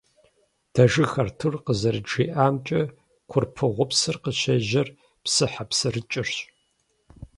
Дэжыг Артур къызэрыджиӀамкӀэ, Курпыгъупсыр къыщежьэр «ПсыхьэпсырыкӀырщ».